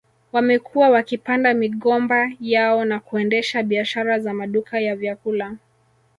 Wamekuwa wakipanda migomba yao na kuendesha biashara za maduka ya vyakula